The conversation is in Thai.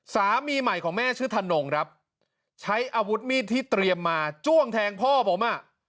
สามีใหม่ของแม่ชื่อธนงครับใช้อาวุธมีดที่เตรียมมาจ้วงแทงพ่อผมอ่ะ